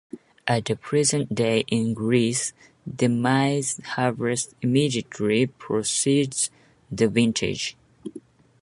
At the present day in Greece, the maize harvest immediately precedes the vintage.